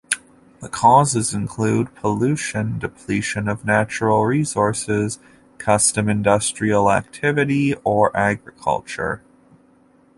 The causes include pollution, depletion of natural resources, custom industrial activity or agriculture.